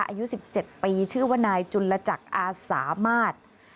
อายุ๑๗ปีชื่อว่านายจุลจักรอาสามารถ